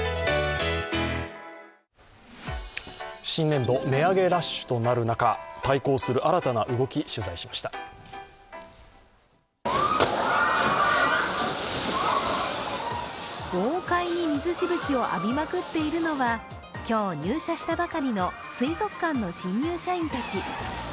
新年度、値上げラッシュとなる中対抗する新たな動き、取材しました豪快に水しぶきを浴びまくっているのは今日入社したばかりの水族館の新入社員たち。